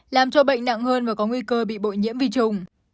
làm cho bệnh nặng hơn và có nguy cơ bị bội nhiễm vi trùng